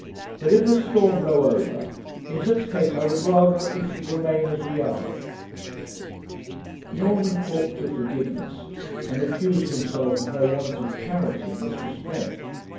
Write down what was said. But if the storm blow over, in such case I would rather that we should remain as we are.' Norman talked of forgiveness, and accused himself of no want of charity in this respect.